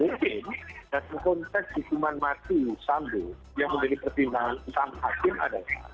mungkin dalam konteks hukuman mati sambo yang menjadi pertimbangan utama hakim adalah